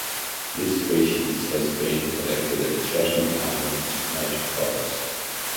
This species has been collected in Chatham Islands native forest.